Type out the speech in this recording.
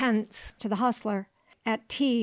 to the hostler; at tea 6d.